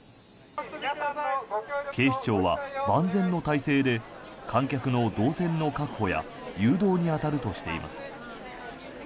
警視庁は万全の態勢で観客の動線の確保や誘導に当たるとしています。